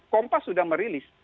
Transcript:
kompas sudah merilis